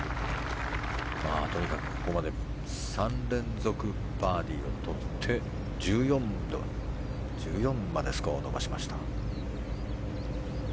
とにかくここまで３連続バーディーを取って１４までスコアを伸ばしました。